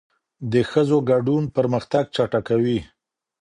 د ښځو ګډون پرمختګ چټکوي.